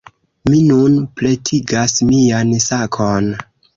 Mi nun pretigas mian sakon.